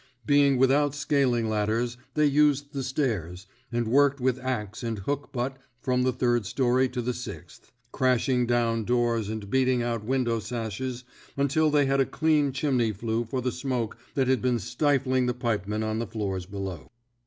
Being without scaling ladders, they used the stairs, and worked with axe and hook butt from the third story to the sixth, crashing down doors and beat ing out window sashes until they had a clean chimney flue for the smoke that had been stifling the pipemen on the floors below.